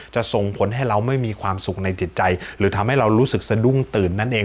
ส่งผลให้เราไม่มีความสุขในจิตใจหรือทำให้เรารู้สึกสะดุ้งตื่นนั่นเอง